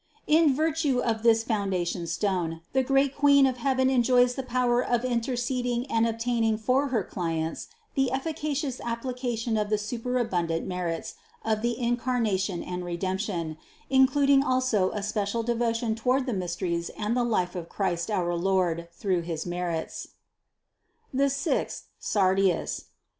In virtue of this foundation stone the great Queen of heaven enjoys the power of THE CONCEPTION 237 interceding and obtaining for her clients the efficacious application of the superabundant merits of the Incarna tion and Redemption, including also a special devotion toward the mysteries and the life of Christ our Lord through his merits. 290. "The sixth, sardius."